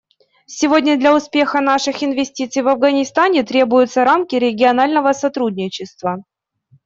Сегодня для успеха наших инвестиций в Афганистане требуются рамки регионального сотрудничества.